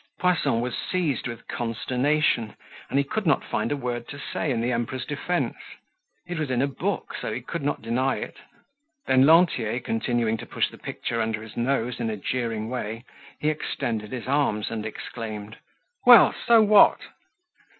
Poisson was seized with consternation, and he could not find a word to say in the Emperor's defense. It was in a book, so he could not deny it. Then, Lantier, continuing to push the picture under his nose in a jeering way, he extended his arms and exclaimed: "Well, so what?"